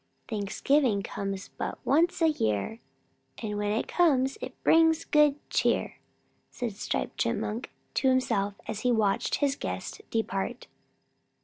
"Thanksgiving comes but once a year, And when it comes it brings good cheer," said Striped Chipmunk to himself as he watched his guests depart.